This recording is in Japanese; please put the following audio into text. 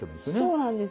そうなんですよ。